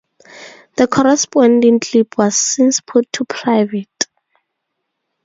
The corresponding clip was since put to private.